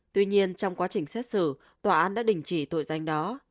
tuy nhiên trong quá trình xét xử tòa án đã đình chỉ tội danh đó